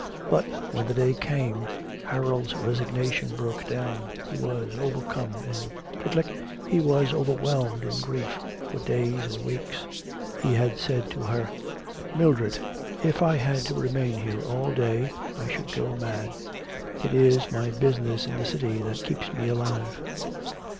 But, when the day came, Harold's resignation broke down, he was whelmed in grief for days and weeks. He had said to her: 'Mildred, if I had to remain here all day, I should go mad; it is my business in the city that keeps me alive.'